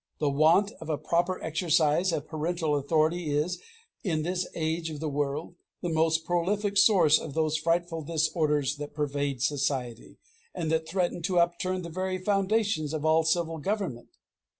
The want of a proper exercise of parental authority is, in this age of the world, the most prolific source of those frightful disorders that pervade society, and that threaten to upturn the very foundations of all civil government.